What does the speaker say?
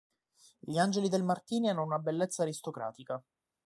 Gli angeli del Martini hanno una bellezza aristocratica.